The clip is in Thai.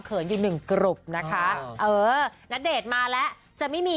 เขินอยู่หนึ่งกรุบน่ะค่ะเออนัดเดชมาแล้วจะไม่มี